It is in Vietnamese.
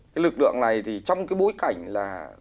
cái lực lượng này thì trong cái bối cảnh là